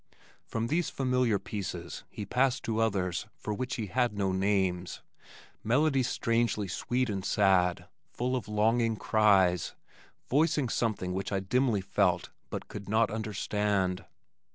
From these familiar pieces he passed to others for which he had no names, melodies strangely sweet and sad, full of longing cries, voicing something which I dimly felt but could not understand.